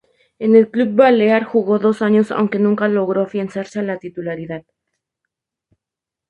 En el club balear jugó dos años, aunque nunca logró afianzarse en la titularidad.